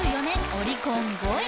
オリコン５位！